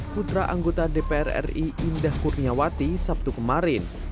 putra anggota dpr ri indah kurniawati sabtu kemarin